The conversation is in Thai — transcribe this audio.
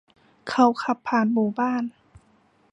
เขาขับผ่านหมู่บ้าน